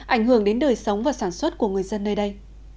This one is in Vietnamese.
ảnh hưởng đến đời sống và sản xuất của người dân nơi đây